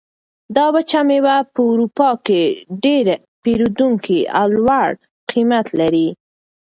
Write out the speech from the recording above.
دا وچه مېوه په اروپا کې ډېر پېرودونکي او لوړ قیمت لري.